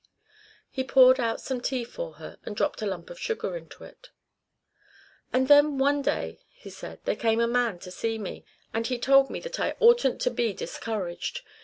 He poured out some tea for her and dropped a lump of sugar into it. "And then one day," he said, "there came a man to see me, and he told me that I oughtn't to be discouraged.